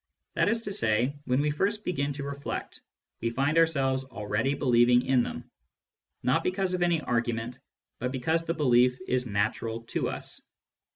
That is to say, when we first begin to reflect, we find ourselves already believing in them, not because of any argument, but because the belief is natural to us.